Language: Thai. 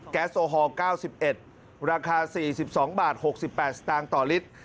โอฮอล๙๑ราคา๔๒บาท๖๘สตางค์ต่อลิตร